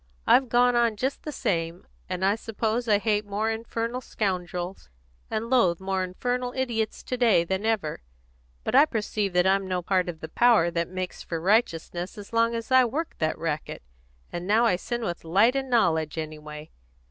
I've gone on just the same, and I suppose I hate more infernal scoundrels and loathe more infernal idiots to day than ever; but I perceive that I'm no part of the power that makes for righteousness as long as I work that racket; and now I sin with light and knowledge, anyway.